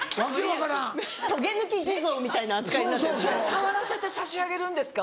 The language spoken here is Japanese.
触らせてさしあげるんですか？